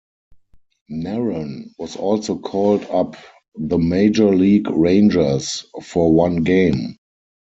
Narron was also called up the major league Rangers for one game.